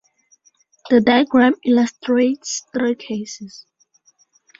The diagram illustrates three cases.